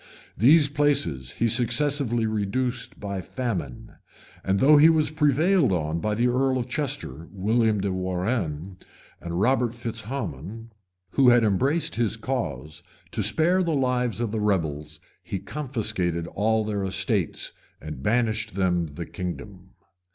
These places he successively reduced by famine; and though he was prevailed on by the earl of Chester, William de Warrenne, and Robert Fitz Hammon, who had embraced his cause, to spare the lives of the rebels, he confiscated all their estates, and banished them the kingdom.